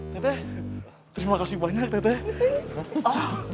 teteh terima kasih banyak teteh